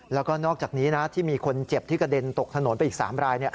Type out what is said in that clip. แล้วก็นอกจากนี้นะที่มีคนเจ็บที่กระเด็นตกถนนไปอีก๓ราย